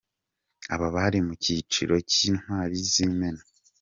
Aba bari mu cyiciro cy’Intwari z’Imena.